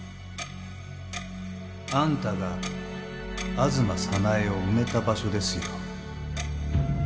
あんたが吾妻早苗を埋めた場所ですよ。